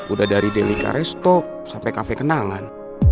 udah dari delica resto sampe kafe kenangan